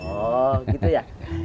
oh gitu ya